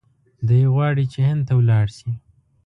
دی غواړي چې هند ته ولاړ شي.